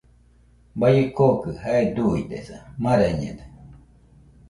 Baie kookɨ jae duidesa, marañede